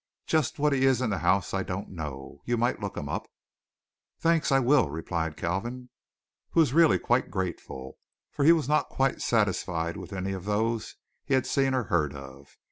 Just what he is in the house I don't know. You might look him up." "Thanks; I will," replied Kalvin. He was really quite grateful, for he was not quite satisfied with any of those he had seen or heard of.